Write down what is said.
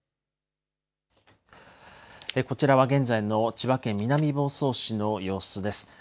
こちらは現在の千葉県南房総市の様子です。